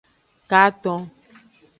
Katon.